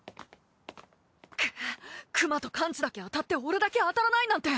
くっクマとカンチだけ当たって俺だけ当たらないなんて。